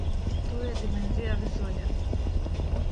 To je dimenzija vesolja.